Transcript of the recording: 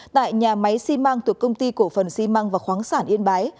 tại nhà máy xi măng thuộc công ty cổ phần xi măng và khoáng sản yên bái